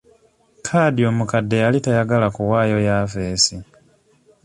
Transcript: Kadhi omukadde yali tayagala kuwaayo yafesi.